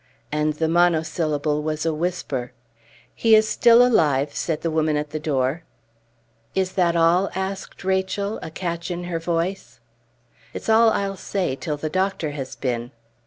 And the monosyllable was a whisper. "He is still alive," said the woman at the door. "Is that all?" asked Rachel, a catch in her voice. "It is all I'll say till the doctor has been."